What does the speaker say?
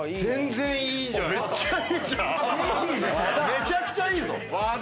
めちゃくちゃいいぞ！